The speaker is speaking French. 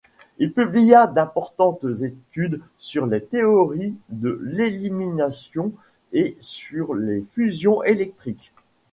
Il publia d'importantes études sur les théories de l'élimination et sur les fusions électriques.